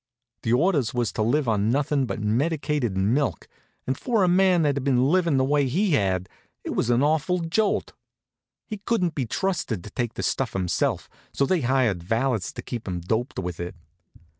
The orders was to live on nothin' but medicated milk, and for a man that had been livin' the way he had it was an awful jolt. He couldn't be trusted to take the stuff himself, so they hired valets to keep him doped with it.